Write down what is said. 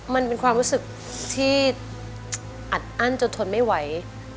มันเป็นความรู้สึกที่อัดอั้นจนทนไม่ไหว